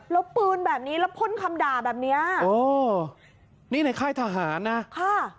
แล้วปืนแบบนี้แล้วพ่นคำด่าแบบเนี้ยเออนี่ในค่ายทหารนะค่ะ